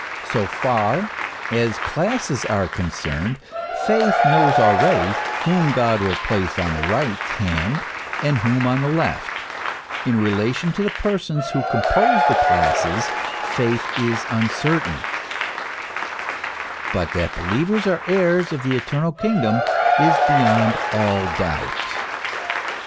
So far as classes are concerned, faith knows already whom God will place on the right hand, and whom on the left ; in relation to the persons who compose the classes faith is uncertain ; but that believers are heirs of the Eternal Kingdom is beyond all doubt.